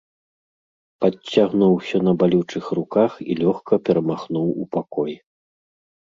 Падцягнуўся на балючых руках і лёгка перамахнуў у пакой.